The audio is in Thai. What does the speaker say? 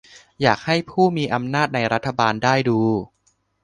อยากให้ผู้มีอำนาจในรัฐบาลได้ดู